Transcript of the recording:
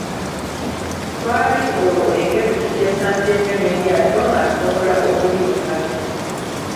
Twali olwo engezi tugyesambye nnyo n'eryato nga nsobola okulirunnamya.